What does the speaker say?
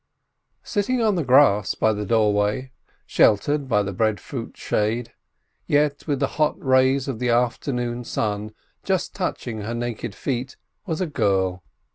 Sitting on the grass by the doorway, sheltered by the breadfruit shade, yet with the hot rays of the afternoon sun just touching her naked feet, was a girl.